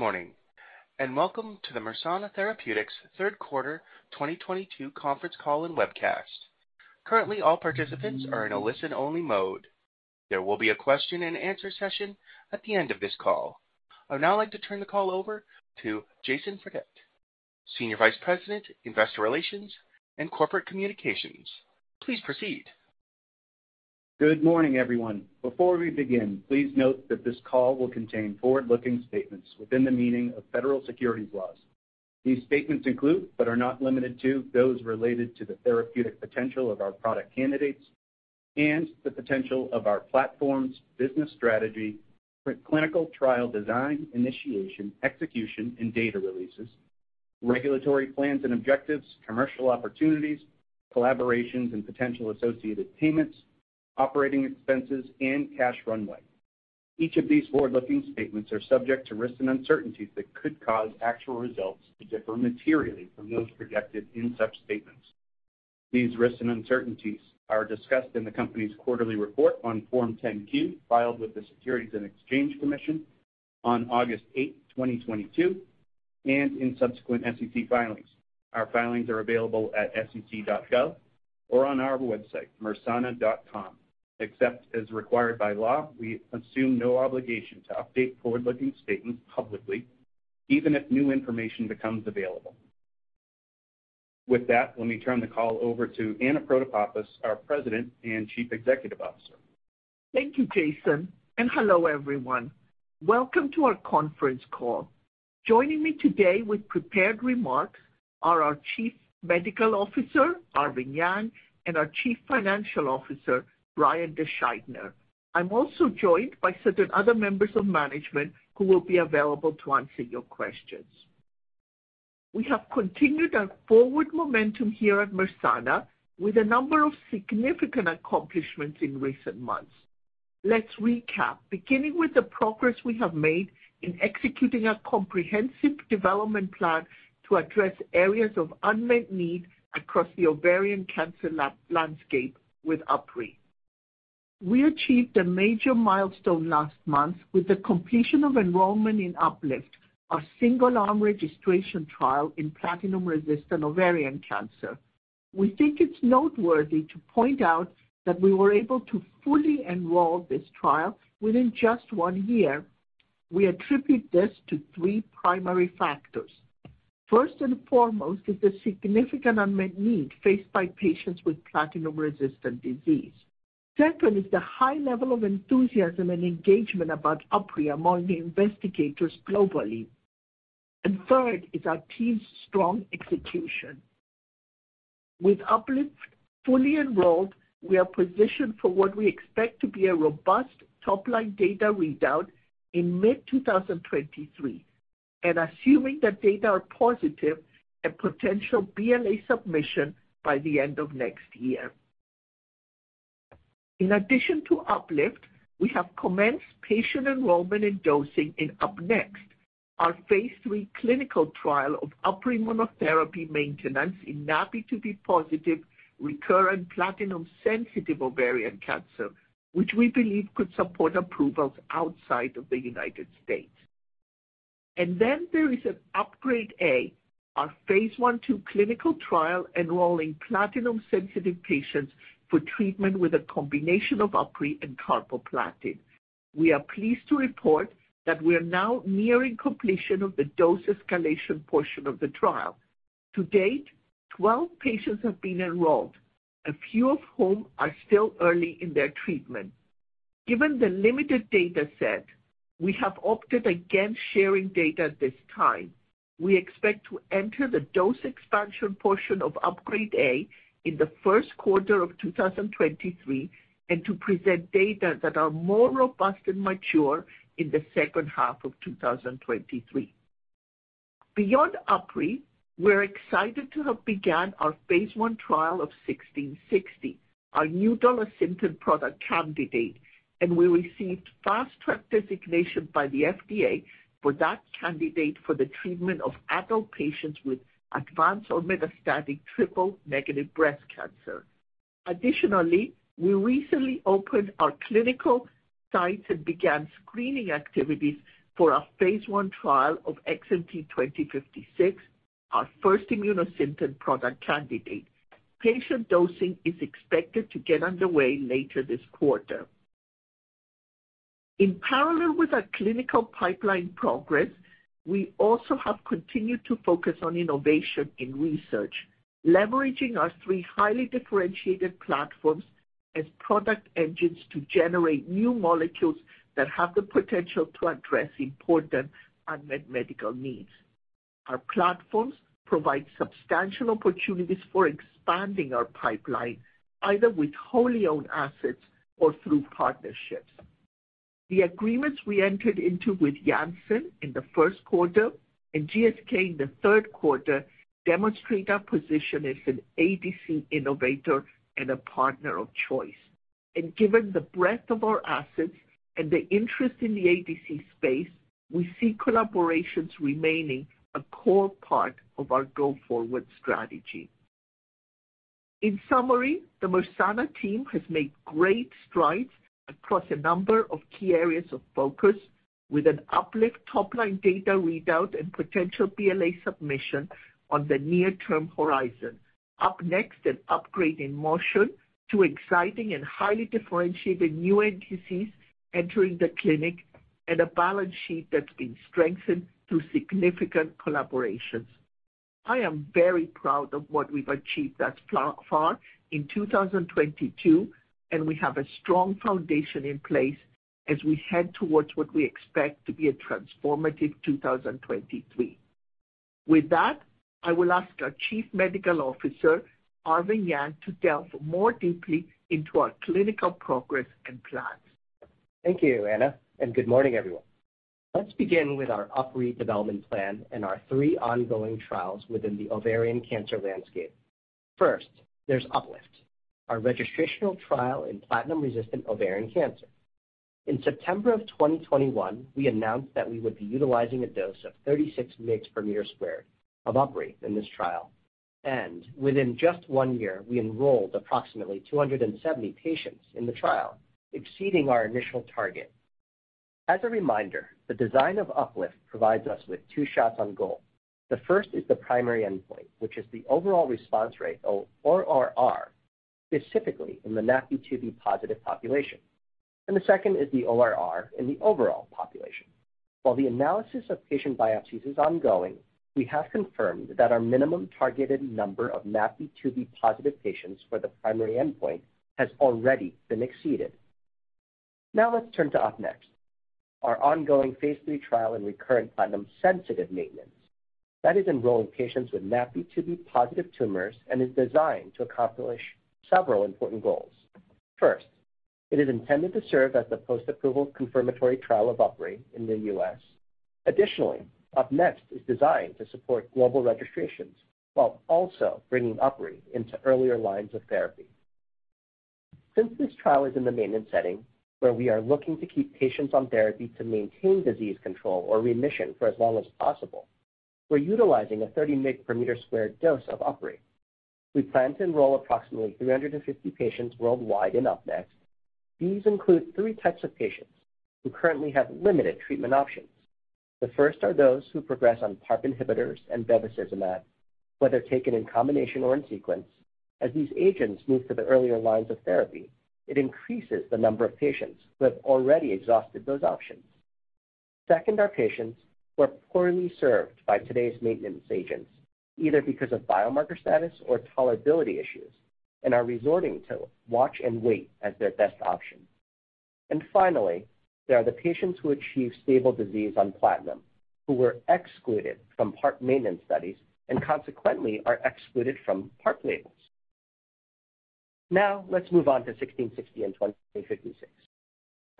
Good morning, and welcome to the Mersana Therapeutics Q3 2022 conference call and webcast. Currently, all participants are in a listen-only mode. There will be a question-and-answer session at the end of this call. I would now like to turn the call over to Jason Fredette, Senior Vice President, Investor Relations and Corporate Communications. Please proceed. Good morning, everyone. Before we begin, please note that this call will contain forward-looking statements within the meaning of federal securities laws. These statements include, but are not limited to, those related to the therapeutic potential of our product candidates and the potential of our platforms, business strategy, clinical trial design, initiation, execution, and data releases, regulatory plans and objectives, commercial opportunities, collaborations and potential associated payments, operating expenses, and cash runway. Each of these forward-looking statements are subject to risks and uncertainties that could cause actual results to differ materially from those projected in such statements. These risks and uncertainties are discussed in the company's quarterly report on Form 10-Q, filed with the Securities and Exchange Commission on August 8, 2022, and in subsequent SEC filings. Our filings are available at sec.gov or on our website, mersana.com. Except as required by law, we assume no obligation to update forward-looking statements publicly, even if new information becomes available. With that, let me turn the call over to Anna Protopapas, our President and Chief Executive Officer. Thank you, Jason, and hello, everyone. Welcome to our conference call. Joining me today with prepared remarks are our Chief Medical Officer, Arvin Yang, and our Chief Financial Officer, Brian DeSchuytner. I'm also joined by certain other members of management who will be available to answer your questions. We have continued our forward momentum here at Mersana with a number of significant accomplishments in recent months. Let's recap, beginning with the progress we have made in executing our comprehensive development plan to address areas of unmet need across the ovarian cancer landscape with UpRi. We achieved a major milestone last month with the completion of enrollment in UPLIFT, our single-arm registration trial in platinum-resistant ovarian cancer. We think it's noteworthy to point out that we were able to fully enroll this trial within just one year. We attribute this to three primary factors. First and foremost is the significant unmet need faced by patients with platinum-resistant disease. Second is the high level of enthusiasm and engagement about UpRi among the investigators globally. Third is our team's strong execution. With UPLIFT fully enrolled, we are positioned for what we expect to be a robust top-line data readout in mid-2023. Assuming that data are positive, a potential BLA submission by the end of next year. In addition to UPLIFT, we have commenced patient enrollment and dosing in UP-NEXT, our phase three clinical trial of UpRi monotherapy maintenance in NaPi2b-positive recurrent platinum-sensitive ovarian cancer, which we believe could support approvals outside of the United States. There is UPGRADE-A, our phase 1/2 clinical trial enrolling platinum-sensitive patients for treatment with a combination of UpRi and carboplatin. We are pleased to report that we are now nearing completion of the dose escalation portion of the trial. To date, 12 patients have been enrolled, a few of whom are still early in their treatment. Given the limited data set, we have opted against sharing data at this time. We expect to enter the dose expansion portion of UPGRADE-A in the Q1 of 2023 and to present data that are more robust and mature in the H2 of 2023. Beyond UpRi, we're excited to have begun our phase one trial of XMT-1660, our new Dolasynthen product candidate, and we received Fast Track designation by the FDA for that candidate for the treatment of adult patients with advanced or metastatic triple-negative breast cancer. Additionally, we recently opened our clinical sites and began screening activities for our phase 1 trial of XMT2056, our first Immunosynthen product candidate. Patient dosing is expected to get underway later this quarter. In parallel with our clinical pipeline progress, we also have continued to focus on innovation in research, leveraging our three highly differentiated platforms as product engines to generate new molecules that have the potential to address important unmet medical needs. Our platforms provide substantial opportunities for expanding our pipeline, either with wholly owned assets or through partnerships. The agreements we entered into with Janssen in the Q1 and GSK in the Q3 demonstrate our position as an ADC innovator and a partner of choice. Given the breadth of our assets and the interest in the ADC space, we see collaborations remaining a core part of our go-forward strategy. In summary, the Mersana team has made great strides across a number of key areas of focus with a UPLIFT top-line data readout and potential BLA submission on the near-term horizon. UP-NEXT, an UPGRADE in motion to exciting and highly differentiated new ADCs entering the clinic and a balance sheet that's been strengthened through significant collaborations. I am very proud of what we've achieved thus far in 2022, and we have a strong foundation in place as we head towards what we expect to be a transformative 2023. With that, I will ask our Chief Medical Officer, Arvin Yang, to delve more deeply into our clinical progress and plans. Thank you, Anna, and good morning, everyone. Let's begin with our UpRi development plan and our three ongoing trials within the ovarian cancer landscape. First, there's UPLIFT, our registrational trial in platinum-resistant ovarian cancer. In September of 2021, we announced that we would be utilizing a dose of 36 mg/m² of UpRi in this trial. Within just one year, we enrolled approximately 270 patients in the trial, exceeding our initial target. As a reminder, the design of UPLIFT provides us with two shots on goal. The first is the primary endpoint, which is the overall response rate, ORR, specifically in the NaPi2b positive population. The second is the ORR in the overall population. While the analysis of patient biopsies is ongoing, we have confirmed that our minimum targeted number of NaPi2b-positive patients for the primary endpoint has already been exceeded. Now let's turn to UP-NEXT, our ongoing phase three trial in recurrent platinum-sensitive maintenance that is enrolling patients with NaPi2b-positive tumors and is designed to accomplish several important goals. First, it is intended to serve as the post-approval confirmatory trial of UpRi in the U.S. Additionally, UP-NEXT is designed to support global registrations while also bringing UpRi into earlier lines of therapy. Since this trial is in the maintenance setting, where we are looking to keep patients on therapy to maintain disease control or remission for as long as possible, we're utilizing a 30 mg/m² dose of UpRi. We plan to enroll approximately 350 patients worldwide in UP-NEXT. These include three types of patients who currently have limited treatment options. The first are those who progress on PARP inhibitors and bevacizumab, whether taken in combination or in sequence. As these agents move to the earlier lines of therapy, it increases the number of patients who have already exhausted those options. Second are patients who are poorly served by today's maintenance agents, either because of biomarker status or tolerability issues, and are resorting to watch and wait as their best option. Finally, there are the patients who achieve stable disease on platinum, who were excluded from PARP maintenance studies and consequently are excluded from PARP labels. Now let's move on to XMT-1660 and XMT-2056.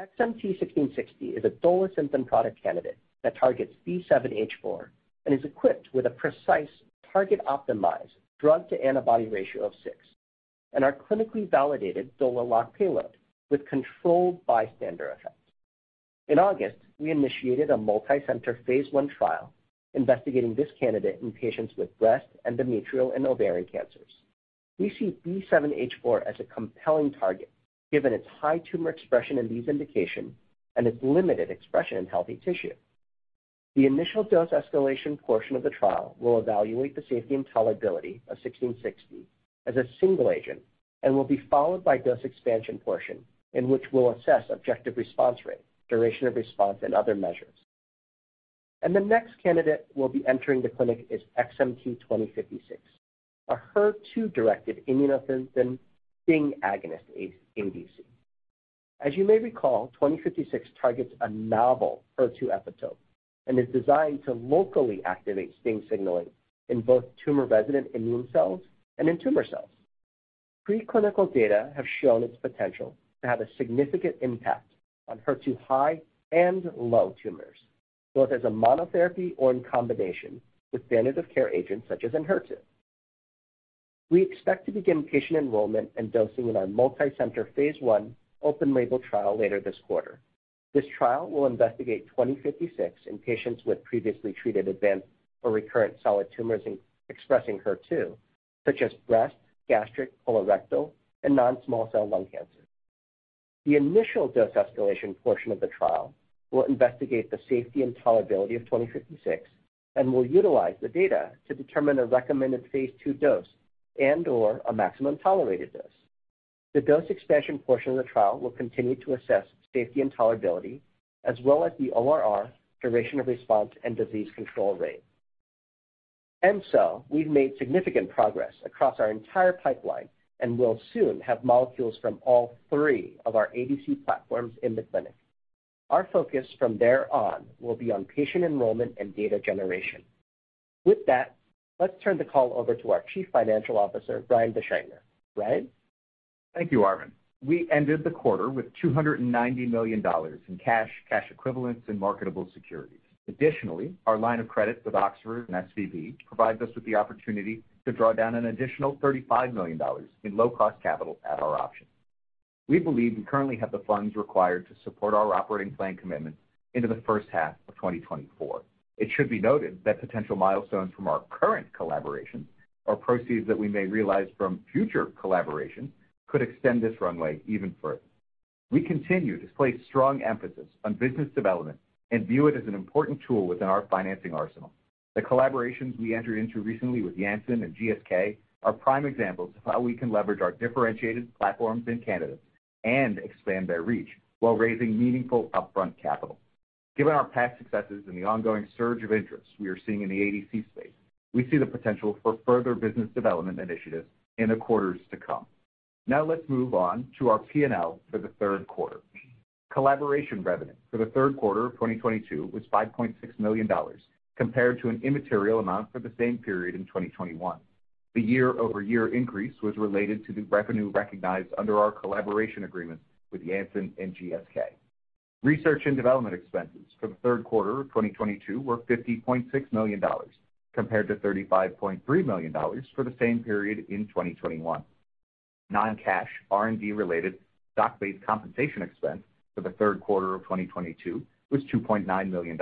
XMT-1660 is a Dolasynthen product candidate that targets B7-H4 and is equipped with a precise, target-optimized drug to antibody ratio of six and our clinically validated DolaLock payload with controlled bystander effects. In August, we initiated a multicenter phase one trial investigating this candidate in patients with breast, endometrial, and ovarian cancers. We see B7-H4 as a compelling target given its high tumor expression in these indications and its limited expression in healthy tissue. The initial dose escalation portion of the trial will evaluate the safety and tolerability of 1660 as a single agent and will be followed by dose expansion portion in which we'll assess objective response rate, duration of response, and other measures. The next candidate will be entering the clinic is XMT2056, a HER2-directed Immunosynthen STING agonist ADC. As you may recall, 2056 targets a novel HER2 epitope and is designed to locally activate STING signaling in both tumor-resident immune cells and in tumor cells. Preclinical data have shown its potential to have a significant impact on HER2 high and low tumors, both as a monotherapy or in combination with standard of care agents such as Enhertu. We expect to begin patient enrollment and dosing in our multicenter phase 1 open label trial later this quarter. This trial will investigate 2056 in patients with previously treated advanced or recurrent solid tumors expressing HER2, such as breast, gastric, colorectal, and non-small cell lung cancer. The initial dose escalation portion of the trial will investigate the safety and tolerability of 2056 and will utilize the data to determine a recommended phase two dose and/or a maximum tolerated dose. The dose expansion portion of the trial will continue to assess safety and tolerability as well as the ORR, duration of response, and disease control rate. We've made significant progress across our entire pipeline and will soon have molecules from all three of our ADC platforms in the clinic. Our focus from there on will be on patient enrollment and data generation. With that, let's turn the call over to our Chief Financial Officer, Brian DeSchuytner. Brian? Thank you, Arvin. We ended the quarter with $290 million in cash equivalents, and marketable securities. Additionally, our line of credit with Oxford and SVB provides us with the opportunity to draw down an additional $35 million in low-cost capital at our option. We believe we currently have the funds required to support our operating plan commitments into the H1 of 2024. It should be noted that potential milestones from our current collaborations or proceeds that we may realize from future collaborations could extend this runway even further. We continue to place strong emphasis on business development and view it as an important tool within our financing arsenal. The collaborations we entered into recently with Janssen and GSK are prime examples of how we can leverage our differentiated platforms and candidates and expand their reach while raising meaningful upfront capital. Given our past successes and the ongoing surge of interest we are seeing in the ADC space, we see the potential for further business development initiatives in the quarters to come. Now let's move on to our P&L for the Q3. Collaboration revenue for the Q3 of 2022 was $5.6 million, compared to an immaterial amount for the same period in 2021. The quarter-over-quarter increase was related to the revenue recognized under our collaboration agreement with Janssen and GSK. Research and development expenses for the Q3 of 2022 were $50.6 million, compared to $35.3 million for the same period in 2021. Non-cash R&D-related stock-based compensation expense for the Q3 of 2022 was $2.9 million.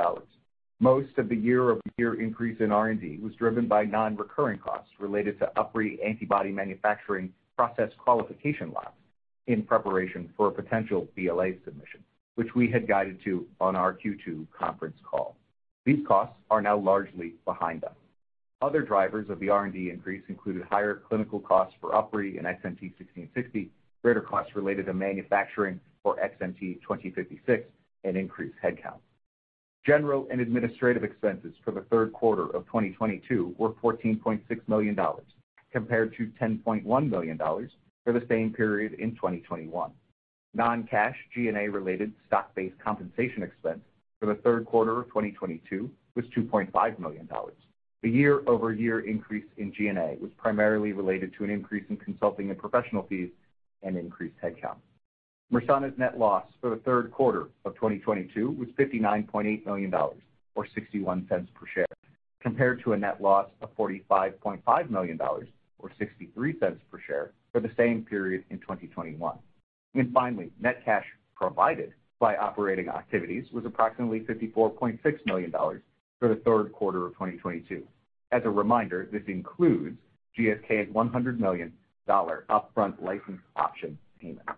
Most of the quarter-over-quarter increase in R&D was driven by non-recurring costs related to UpRi antibody manufacturing process qualification labs in preparation for a potential BLA submission, which we had guided to on our Q2 conference call. These costs are now largely behind us. Other drivers of the R&D increase included higher clinical costs for UpRi and XMT-1660, greater costs related to manufacturing for XMT-2056, and increased headcount. General and administrative expenses for the Q3 of 2022 were $14.6 million, compared to $10.1 million for the same period in 2021. Non-cash G&A-related stock-based compensation expense for the Q3 of 2022 was $2.5 million. The quarter-over-quarter increase in G&A was primarily related to an increase in consulting and professional fees and increased headcount. Mersana's net loss for the Q3 of 2022 was $59.8 million, or $0.61 per share, compared to a net loss of $45.5 million, or $0.63 per share, for the same period in 2021. Finally, net cash provided by operating activities was approximately $54.6 million for the Q3 of 2022. As a reminder, this includes GSK's $100 million upfront license option payment.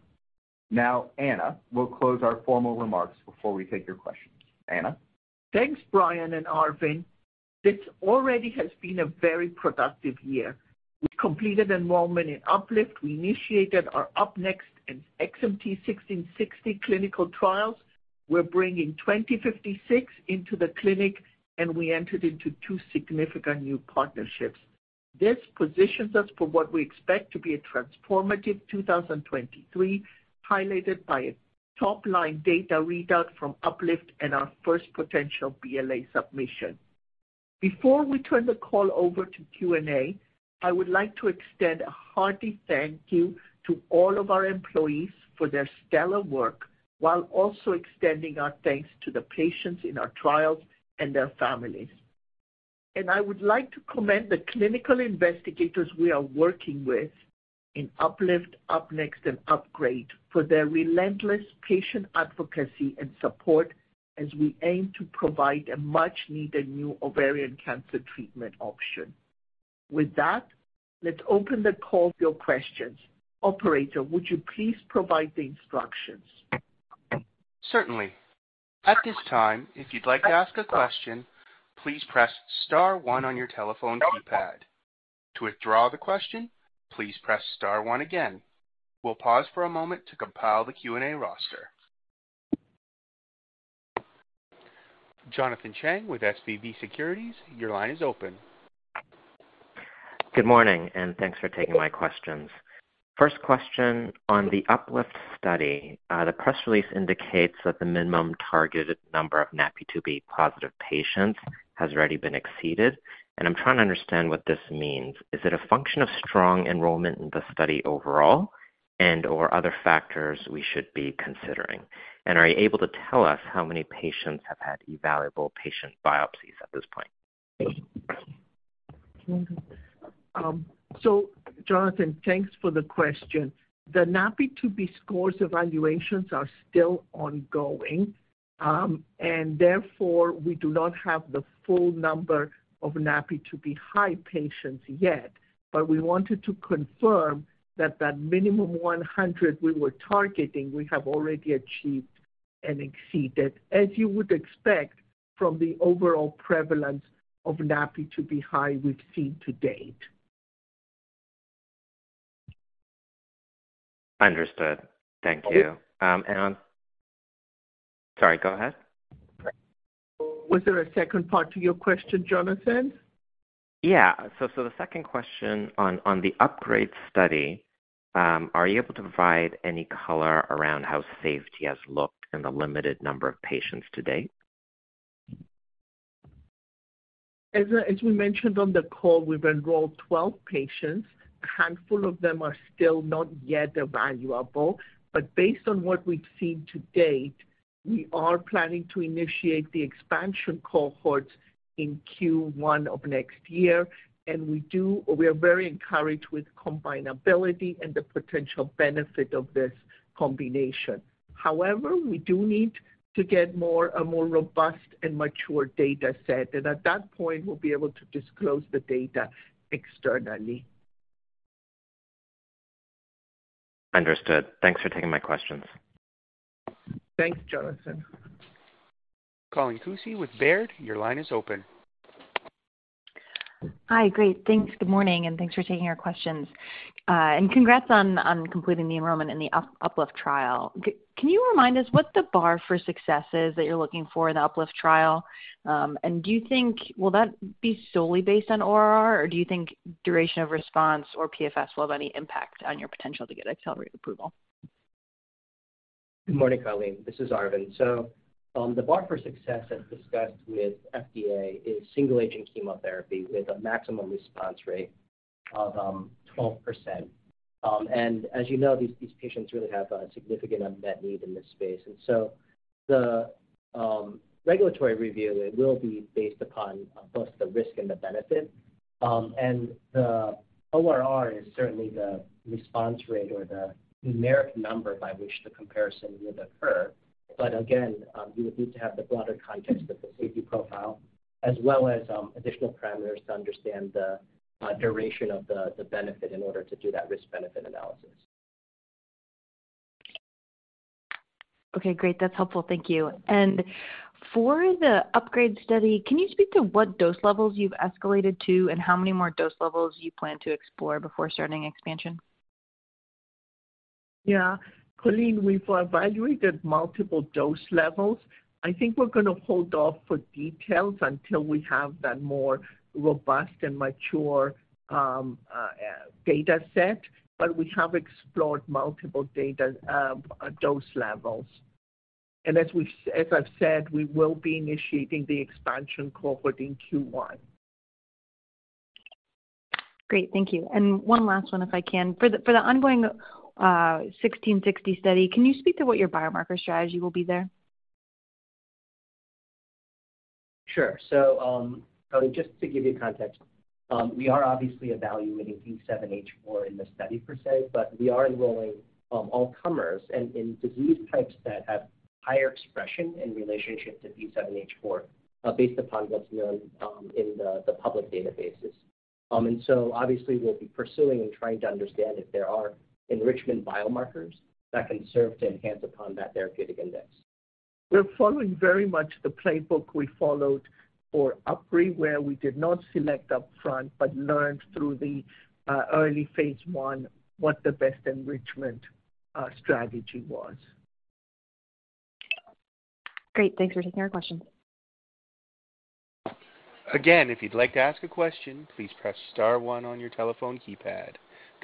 Now, Anna will close our formal remarks before we take your questions. Anna? Thanks, Brian and Arvin. This already has been a very productive year. We completed enrollment in UPLIFT. We initiated our UP-NEXT and XMT-1660 clinical trials. We're bringing XMT-2056 into the clinic, and we entered into two significant new partnerships. This positions us for what we expect to be a transformative 2023, highlighted by a top-line data readout from UPLIFT and our first potential BLA submission. Before we turn the call over to Q&A, I would like to extend a hearty thank you to all of our employees for their stellar work, while also extending our thanks to the patients in our trials and their families. I would like to commend the clinical investigators we are working with in UPLIFT, UP-NEXT, and UPGRADE for their relentless patient advocacy and support as we aim to provide a much-needed new ovarian cancer treatment option. With that, let's open the call for your questions. Operator, would you please provide the instructions? Certainly. At this time, if you'd like to ask a question, please press star one on your telephone keypad. To withdraw the question, please press star one again. We'll pause for a moment to compile the Q&A roster. Jonathan Chang with SVB Securities, your line is open. Good morning, and thanks for taking my questions. First question on the UPLIFT study. The press release indicates that the minimum targeted number of NaPi2b-positive patients has already been exceeded, and I'm trying to understand what this means. Is it a function of strong enrollment in the study overall and/or other factors we should be considering? And are you able to tell us how many patients have had evaluable patient biopsies at this point? Jonathan, thanks for the question. The NaPi2b scores evaluations are still ongoing, and therefore we do not have the full number of NaPi2b-high patients yet. We wanted to confirm that minimum 100 we were targeting, we have already achieved and exceeded, as you would expect from the overall prevalence of NaPi2b high we've seen to date. Understood. Thank you. Sorry, go ahead. Was there a second part to your question, Jonathan? Yeah. The second question on the UPGRADE study, are you able to provide any color around how safety has looked in the limited number of patients to date? We mentioned on the call, we've enrolled 12 patients. A handful of them are still not yet evaluable. Based on what we've seen to date, we are planning to initiate the expansion cohorts in Q1 of next year, and we are very encouraged with combinability and the potential benefit of this combination. However, we do need to get a more robust and mature data set. At that point, we'll be able to disclose the data externally. Understood. Thanks for taking my questions. Thanks, Jonathan. Colleen Kusy with Baird. Your line is open. Hi. Great. Thanks. Good morning, and thanks for taking our questions, and congrats on completing the enrollment in the UPLIFT trial. Can you remind us what the bar for success is that you're looking for in the UPLIFT trial? Do you think will that be solely based on ORR, or do you think duration of response or PFS will have any impact on your potential to get accelerated approval? Good morning, Colleen. This is Arvin. The bar for success, as discussed with FDA, is single-agent chemotherapy with a maximum response rate of 12%. As you know, these patients really have a significant unmet need in this space. The regulatory review, it will be based upon, of course, the risk and the benefit. The ORR is certainly the response rate or the numeric number by which the comparison would occur. Again, you would need to have the broader context of the safety profile as well as additional parameters to understand the duration of the benefit in order to do that risk-benefit analysis. Okay, great. That's helpful. Thank you. For the UPGRADE study, can you speak to what dose levels you've escalated to and how many more dose levels you plan to explore before starting expansion? Yeah. Colleen, we've evaluated multiple dose levels. I think we're gonna hold off for details until we have that more robust and mature data set, but we have explored multiple dose levels. As I've said, we will be initiating the expansion cohort in Q1. Great. Thank you. One last one, if I can. For the ongoing XMT-1660 study, can you speak to what your biomarker strategy will be there? Sure. Just to give you context, we are obviously evaluating B7-H4 in the study per se, but we are enrolling all comers and in disease types that have higher expression in relationship to B7-H4 based upon what's known in the public databases. Obviously we'll be pursuing and trying to understand if there are enrichment biomarkers that can serve to enhance upon that therapeutic index. We're following very much the playbook we followed for UpRi, where we did not select upfront but learned through the early phase one what the best enrichment strategy was. Great. Thanks for taking our questions. Again, if you'd like to ask a question, please press star one on your telephone keypad.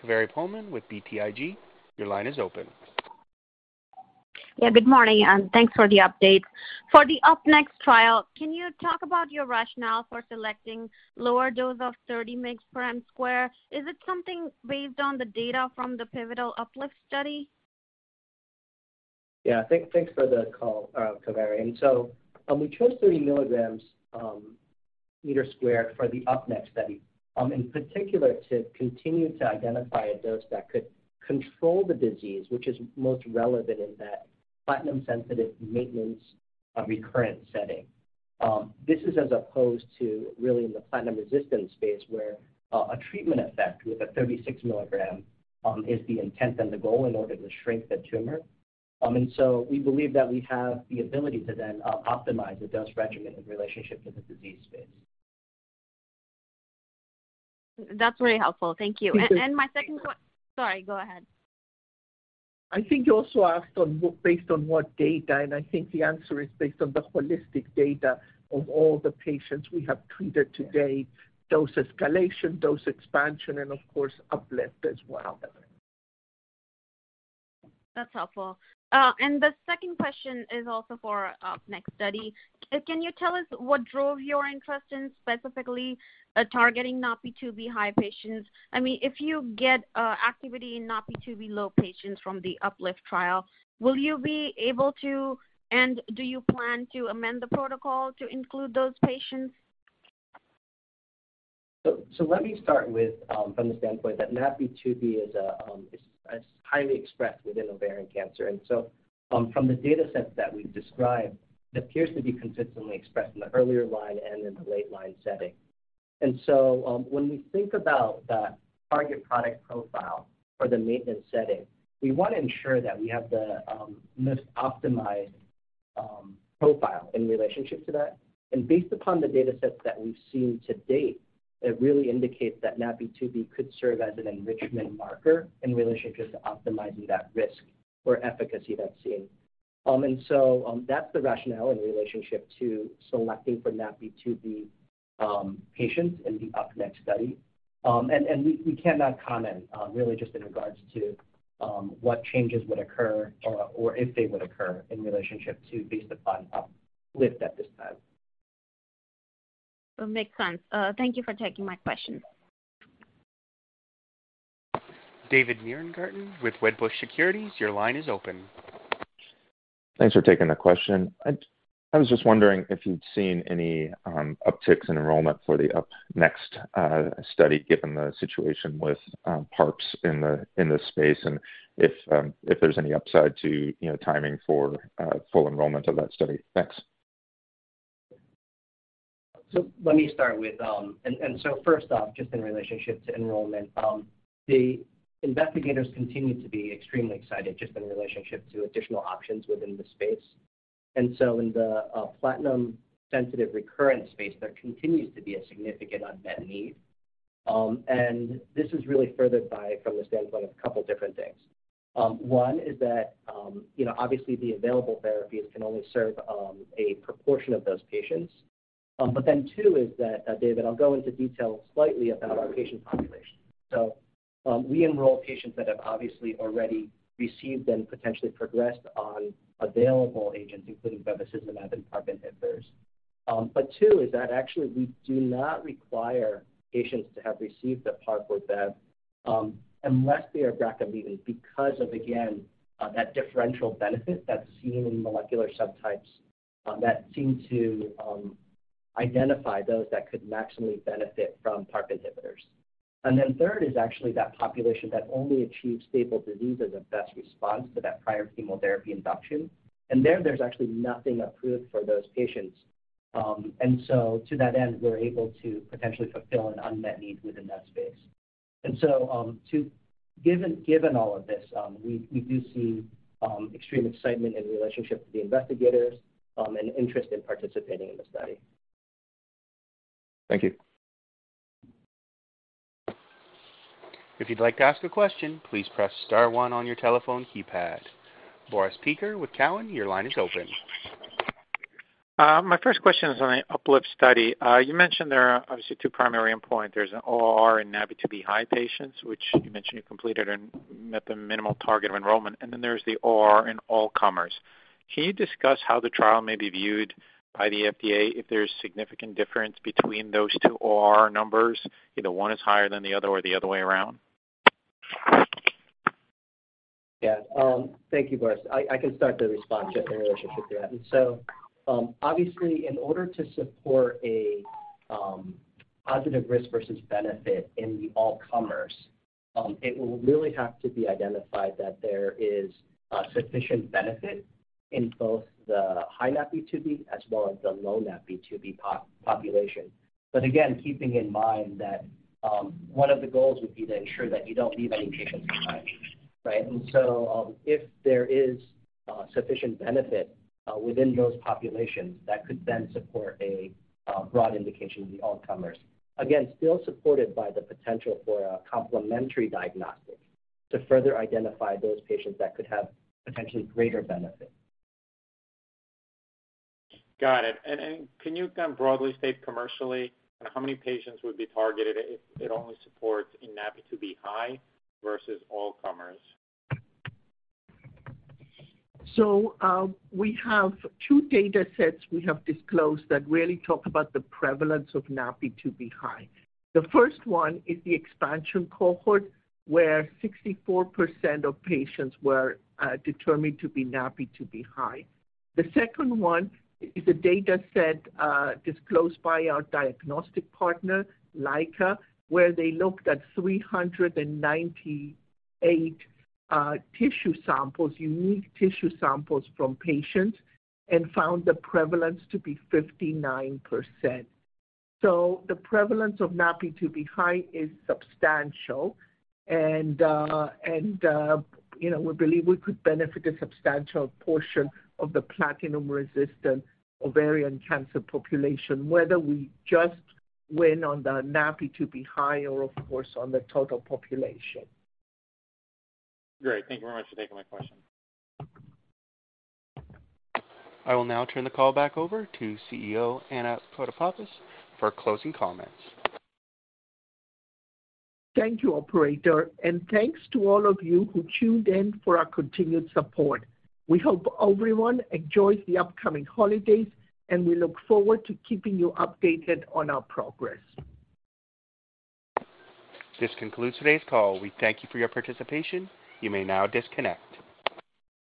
Kaveri Pohlman with BTIG, your line is open. Yeah, good morning, and thanks for the update. For the UP-NEXT trial, can you talk about your rationale for selecting lower dose of 30 mg/m²? Is it something based on the data from the pivotal UPLIFT study? Yeah. Thanks for the call, Kaveri. We chose 30 milligrams meter squared for the UP-NEXT study, in particular to continue to identify a dose that could control the disease, which is most relevant in that platinum-sensitive maintenance, recurrent setting. This is as opposed to really in the platinum resistant space where a treatment effect with a 36 milligram is the intent and the goal in order to shrink the tumor. We believe that we have the ability to then optimize the dose regimen in relationship to the disease space. That's really helpful. Thank you. You're welcome. Sorry, go ahead. I think you also asked based on what data, and I think the answer is based on the holistic data of all the patients we have treated to date, dose escalation, dose expansion, and of course, UPLIFT as well. That's helpful. The second question is also for the UP-NEXT study. Can you tell us what drove your interest in specifically targeting NaPi2b-high patients? I mean, if you get activity in NaPi2b-low patients from the UPLIFT trial, will you be able to and do you plan to amend the protocol to include those patients? Let me start with from the standpoint that NaPi2b is highly expressed within ovarian cancer. From the data sets that we've described, it appears to be consistently expressed in the earlier line and in the late line setting. When we think about the target product profile for the maintenance setting, we want to ensure that we have the most optimized profile in relationship to that. Based upon the data sets that we've seen to date, it really indicates that NaPi2b could serve as an enrichment marker in relationship to optimizing that risk or efficacy that's seen. That's the rationale in relationship to selecting for NaPi2b patients in the UP-NEXT study. We cannot comment really just in regards to what changes would occur or if they would occur in relationship to based upon UPLIFT at this time. Makes sense. Thank you for taking my questions. David Nierengarten with Wedbush Securities, your line is open. Thanks for taking the question. I was just wondering if you'd seen any upticks in enrollment for the UP-NEXT study, given the situation with PARPs in the space and if there's any upside to, you know, timing for full enrollment of that study. Thanks. First off, just in relationship to enrollment, the investigators continue to be extremely excited just in relationship to additional options within the space. In the platinum-sensitive recurrent space, there continues to be a significant unmet need. This is really furthered by, from the standpoint of a couple different things. One is that, you know, obviously the available therapies can only serve a proportion of those patients. Two is that, David, I'll go into detail slightly about our patient population. We enroll patients that have obviously already received and potentially progressed on available agents, including bevacizumab and PARP inhibitors. Two is that actually we do not require patients to have received a PARP or bev unless they are BRCA mutant because of, again, that differential benefit that's seen in molecular subtypes that seem to identify those that could maximally benefit from PARP inhibitors. Then third is actually that population that only achieves stable disease as a best response to that prior chemotherapy induction. There, there's actually nothing approved for those patients. To that end, we're able to potentially fulfill an unmet need within that space. Given all of this, we do see extreme excitement in relationship to the investigators and interest in participating in the study. Thank you. If you'd like to ask a question, please press star one on your telephone keypad. Boris Peaker with Cowen, your line is open. My first question is on the UPLIFT study. You mentioned there are obviously two primary endpoint. There's an ORR in NaPi2b-high patients, which you mentioned you completed and met the minimal target of enrollment, and then there's the ORR in all comers. Can you discuss how the trial may be viewed by the FDA if there's significant difference between those two ORR numbers, either one is higher than the other or the other way around? Yeah. Thank you, Boris. I can start the response just in relationship to that. Obviously, in order to support a positive risk versus benefit in the all comers, it will really have to be identified that there is a sufficient benefit in both the high NaPi2b as well as the low NaPi2b population. Again, keeping in mind that, one of the goals would be to ensure that you don't leave any patients behind, right? If there is sufficient benefit within those populations, that could then support a broad indication of the all comers, again, still supported by the potential for a complementary diagnostic to further identify those patients that could have potentially greater benefit. Got it. Can you kind of broadly state commercially on how many patients would be targeted if it only supports in NaPi2b-high versus all comers? We have two data sets we have disclosed that really talk about the prevalence of NaPi2b high. The first one is the expansion cohort, where 64% of patients were determined to be NaPi2b high. The second one is a data set disclosed by our diagnostic partner, Leica, where they looked at 398 unique tissue samples from patients and found the prevalence to be 59%. The prevalence of NaPi2b high is substantial and you know, we believe we could benefit a substantial portion of the platinum-resistant ovarian cancer population, whether we just win on the NaPi2b high or of course on the total population. Great. Thank you very much for taking my question. I will now turn the call back over to CEO Anna Protopapas for closing comments. Thank you, operator, and thanks to all of you who tuned in for our continued support. We hope everyone enjoys the upcoming holidays, and we look forward to keeping you updated on our progress. This concludes today's call. We thank you for your participation. You may now disconnect.